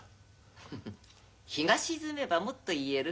フフッ日が沈めばもっと言える。